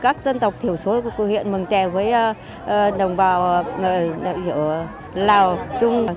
các dân tộc thiểu số của huyện mường tè với đồng bào đạo hiệu lào trung